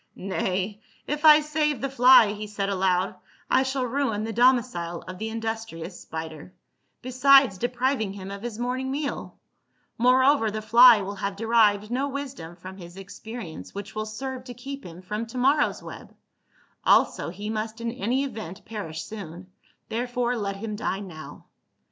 97 " Nay, if I save the fly," he said aloud, " I shall ruin the domicile of the industrious spider, besides depriving him of his morning meal : moreover, the fly will have derived no wisdom from his experience which will serve to keep him from to morrow's web ; also he must in any event perish soon, therefore let him die now.